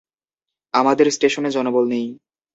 আমাদের স্টেশনে জনবল নেই।